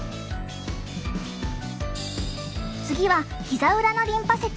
次はひざ裏のリンパ節。